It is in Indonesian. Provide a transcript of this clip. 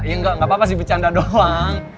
ya enggak enggak apa apa sih becanda doang